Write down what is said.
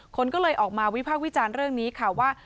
คนก็เลยออกมาวิพากษ์วิจารณ์เรื่องนี้ค่ะว่า